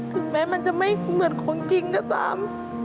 ถึงแม้มันจะไม่เหมือนคนจริงก็ตาม